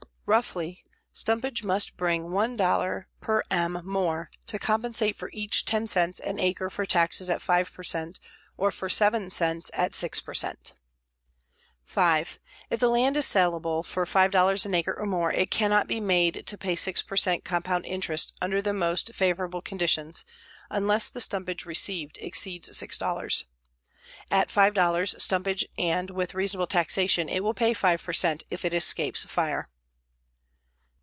Roughly, stumpage must bring $1 per M more to compensate for each 10 cents an acre for taxes at 5 per cent or for 7 cents at 6 per cent. 5. If the land is salable for $5 an acre or more it cannot be made to pay 6 per cent compound interest under the most favorable conditions, unless the stumpage received exceeds $6. At $5 stumpage and with reasonable taxation it will pay 5 per cent if it escapes fire.